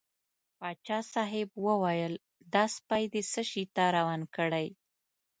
پاچا صاحب وویل دا سپی دې څه شي ته روان کړی.